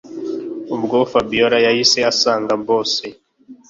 ubwo fabiora yahise asanga boss